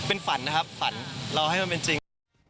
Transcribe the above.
เป็นฝันนะครับฝันเราให้มันเป็นจริง